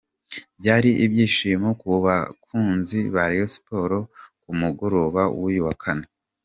Byari ibyishimo ku bakunzi ba Rayon Sports ku mugoroba w'uyu wa Kane .